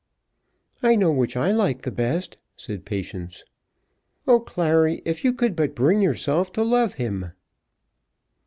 "I know which I like the best," said Patience. "Oh, Clary, if you could but bring yourself to love him."